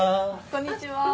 こんにちは。